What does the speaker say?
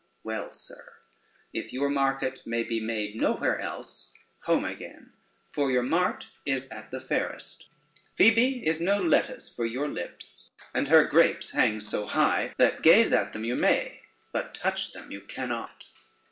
Well, sir, if your market may be made no where else, home again, for your mart is at the fairest. Phoebe is no lettuce for your lips, and her grapes hangs so high, that gaze at them you may, but touch them you cannot.